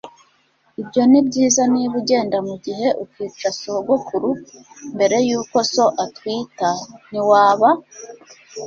Ibyo nibyiza niba ugenda mugihe ukica sogokuru mbere yuko so atwita, ntiwaba?